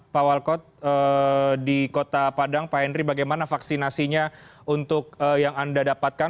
pak walkot di kota padang pak henry bagaimana vaksinasinya untuk yang anda dapatkan